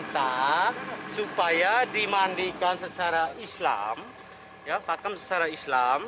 kita supaya dimandikan secara islam ya pakam secara islam